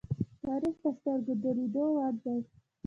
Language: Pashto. تاریخ د سترگو د لیدو وړ دی.